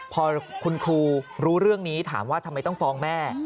พอคุณครูรู้เรื่องนี้ถามว่าทำไมต้องฟ้องแม่